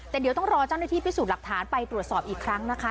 แต่เดี๋ยวต้องรอเจ้าหน้าที่พิสูจน์หลักฐานไปตรวจสอบอีกครั้งนะคะ